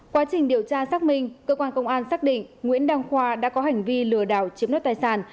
quá trình điều tra xác minh cơ quan công an xác định nguyễn đăng khoa đã có hành vi lừa đảo chiếm nốt tài sản